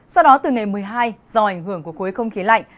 sau đó từ ngày một mươi hai do ảnh hưởng của khối không khí lạnh